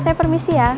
saya permisi ya